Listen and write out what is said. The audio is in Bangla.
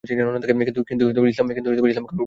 কিন্তু ইসলাম তা করতে দেয়নি।